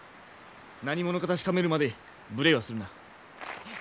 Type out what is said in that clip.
何者か確かめるまで無礼はするな。